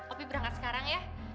opi berangkat sekarang ya